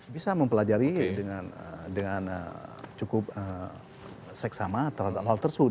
bisa mempelajari dengan cukup seksama terhadap hal tersebut